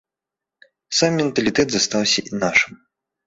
Сам менталітэт застаўся нашым.